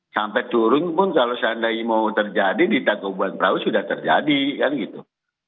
sampai turun pun kalau seandainya mau terjadi di tangkuban perahu sudah terjadi kan gitu